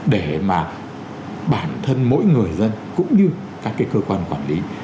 để mà bản thân mỗi người dân cũng như các cái cơ quan quản lý